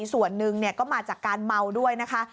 ส่วนหนึ่งก็มาจากการเมาด้วยนะคะ